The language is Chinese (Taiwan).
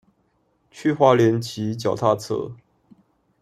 去花蓮騎腳踏車